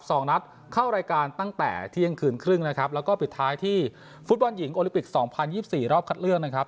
สองนัดเข้ารายการตั้งแต่เที่ยงคืนครึ่งนะครับแล้วก็ปิดท้ายที่ฟุตบอลหญิงโอลิปิกสองพันยี่สิบสี่รอบคัดเลือกนะครับ